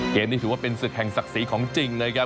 นี้ถือว่าเป็นศึกแห่งศักดิ์ศรีของจริงนะครับ